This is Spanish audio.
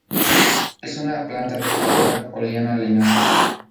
Es una planta trepadora o liana leñosa.